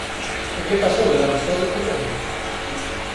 ¿E que pasou durante todo este tempo?